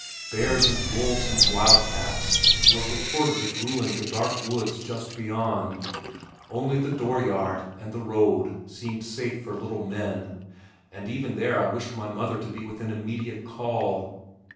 Bears and wolves and wildcats were reported as ruling the dark woods just beyond only the door yard and the road seemed safe for little men and even there I wished my mother to be within immediate call.